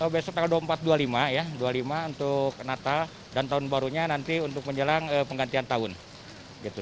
besok tanggal dua puluh empat dua puluh lima ya dua puluh lima untuk natal dan tahun barunya nanti untuk menjelang penggantian tahun gitu